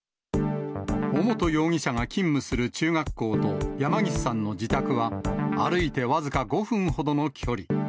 尾本容疑者が勤務する中学校と山岸さんの自宅は、歩いて僅か５分ほどの距離。